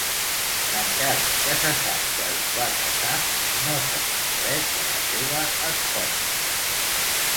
Encara que se sap que es va casar, no se sap res de la seva esposa.